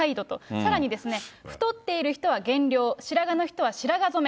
さらににですね、太っている人は減量、白髪の人は白髪染め。